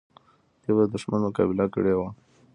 دوی به د دښمن مقابله کړې وه.